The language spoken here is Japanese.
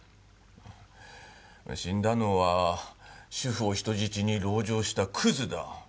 死んだのは主婦を人質に籠城したクズだ。